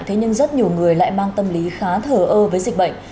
thế nhưng rất nhiều người lại mang tâm lý khá thở ơ với dịch bệnh